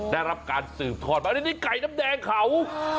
ได้รับการสืบทอดมานี่ไก่น้ำแดงเขา